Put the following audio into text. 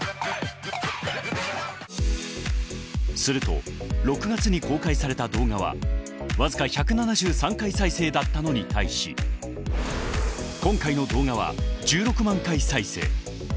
すると６月に公開された動画は僅か１７３回再生だったのに対し今回の動画は１６万回再生。